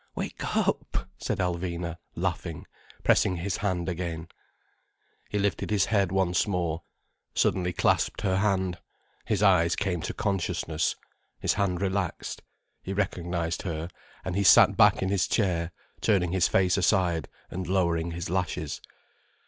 "Wake up," said Alvina, laughing, pressing his hand again. He lifted his head once more, suddenly clasped her hand, his eyes came to consciousness, his hand relaxed, he recognized her, and he sat back in his chair, turning his face aside and lowering his lashes.